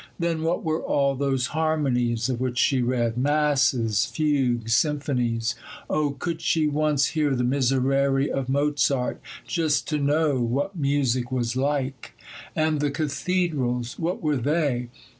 Then what were all those harmonies of which she read,—masses, fugues, symphonies? Oh, could she once hear the Miserere of Mozart, just to know what music was like! And the cathedrals, what were they?